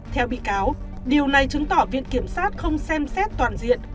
theo bị cáo điều này chứng tỏ viện kiểm sát không xem xét toàn diện